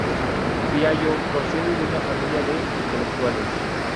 Fiallo procede de una familia de intelectuales.